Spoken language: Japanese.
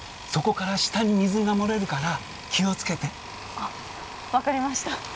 そこから下に水が漏れるから気をつけてあっ分かりました